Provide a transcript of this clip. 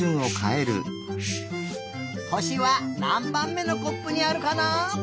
ほしはなんばんめのコップにあるかな？